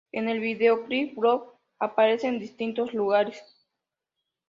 En el videoclip Björk aparece en distintos lugares.